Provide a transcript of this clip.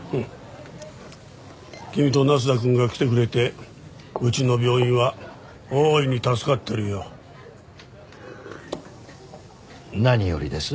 君と那須田くんが来てくれてうちの病院は大いに助かってるよ。何よりです。